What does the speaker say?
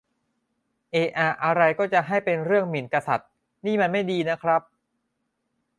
เอะอะอะไรก็จะให้เป็นเรื่องหมิ่นกษัตริย์นี่มันไม่ดีนะครับ